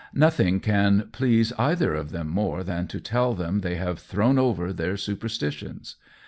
Nothing can please either of them more than to tell them they have thrown over their superstitions.